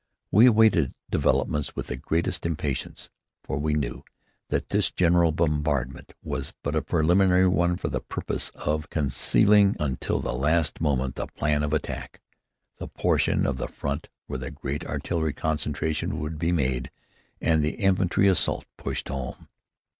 We awaited developments with the greatest impatience, for we knew that this general bombardment was but a preliminary one for the purpose of concealing, until the last moment, the plan of attack, the portion of the front where the great artillery concentration would be made and the infantry assault pushed home.